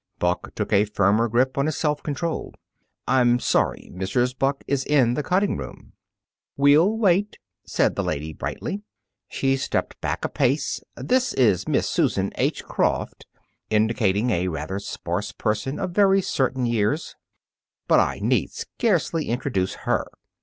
Buck took a firmer grip on his self control. "I'm sorry; Mrs. Buck is in the cutting room." "We'll wait," said the lady, brightly. She stepped back a pace. "This is Miss Susan H. Croft" indicating a rather sparse person of very certain years "But I need scarcely introduce her."